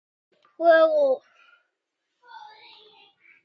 Juego